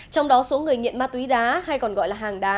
trong đó số người nghiện ma túy đá hay còn gọi là hàng đá